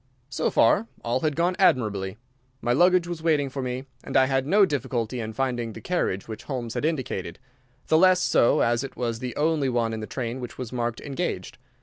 So far all had gone admirably. My luggage was waiting for me, and I had no difficulty in finding the carriage which Holmes had indicated, the less so as it was the only one in the train which was marked "Engaged."